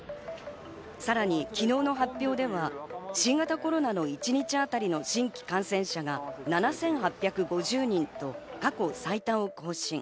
さらに昨日の発表では、新型コロナの一日当たりの新規感染者が７８５０人と過去最多を更新。